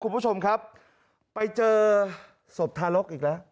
คุณผู้ชมครับไปเจอศพทารกอีกแล้ว